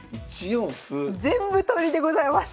全部取りでございます。